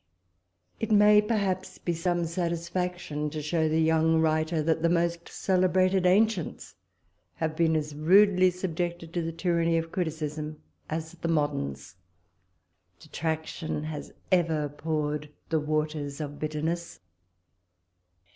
It may, perhaps, be some satisfaction to show the young writer, that the most celebrated ancients have been as rudely subjected to the tyranny of criticism as the moderns. Detraction has ever poured the "waters of bitterness."